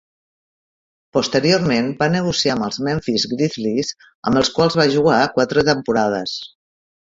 Posteriorment va negociar amb els Memphis Grizzlies, amb els quals va jugar quatre temporades.